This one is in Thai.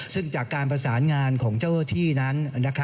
ซึ่งจากการประสานงานของเจ้าหน้าที่นั้น